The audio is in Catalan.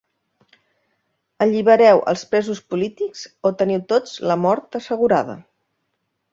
Allibereu els presos polítics o teniu tots la mort assegurada.